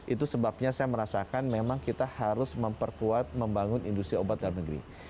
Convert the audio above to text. itu sebabnya saya merasakan memang kita harus memperkuat membangun industri obat dalam negeri